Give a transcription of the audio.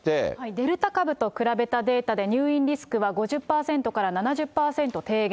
デルタ株と比べたデータで、入院リスクは５０％から７０％低減。